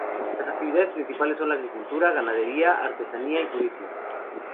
Las actividades principales son la agricultura, ganadería, artesanía y turismo.